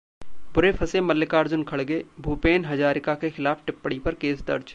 बुरे फंसे मल्लिकार्जुन खड़गे, भूपेन हजारिका के खिलाफ टिप्पणी पर केस दर्ज